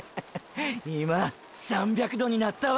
今３００℃になったわ！！